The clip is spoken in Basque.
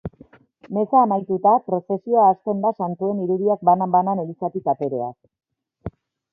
Meza amaituta, prozesioa hasten da santuen irudiak banan-banan elizatik atereaz.